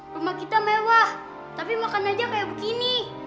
rumah kita mewah tapi makan aja kayak begini